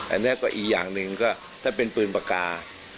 อันนี้ก็อีกอย่างหนึ่งก็ถ้าเป็นปืนปากกา